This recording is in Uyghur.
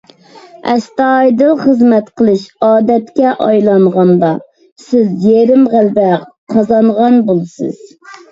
ئەستايىدىل خىزمەت قىلىش ئادەتكە ئايلانغاندا، سىز يېرىم غەلىبە قازانغان بولىسىز.